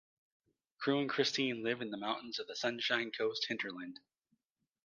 Crew and Christine live in the mountains of the Sunshine Coast Hinterland.